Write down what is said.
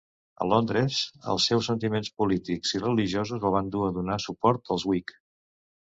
A Londres, els seus sentiments polítics i religiosos el van dur a donar suport als whig.